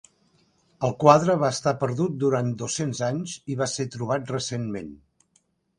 El quadre va estar perdut durant dos-cents anys i va ser trobat recentment.